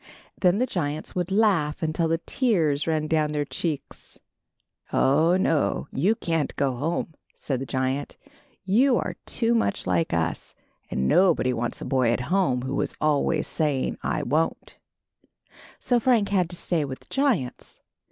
Then the giants would laugh until the tears ran down their cheeks. "Oh, no! you can't go home," said the giant. "You are too much like us, and nobody wants a boy at home who is always s^ing, T won't.' " So Frank had to stay with the giants.